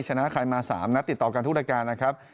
ชนะใครมา๓นัดติดต่อกันทุกรายการนะครับ